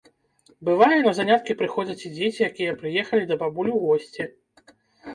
Бывае, на заняткі прыходзяць і дзеці, якія прыехалі да бабуль у госці.